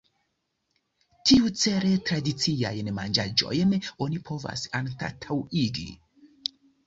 Tiucele, tradiciajn manĝaĵojn oni povas anstataŭigi.